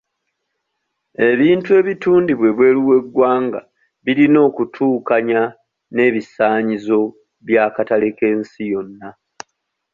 Ebintu ebitundibwa ebweru w'eggwanga birina okutuukanya n'ebisaanyizo by'akatale k'ensi yonna.